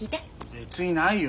別にないよ。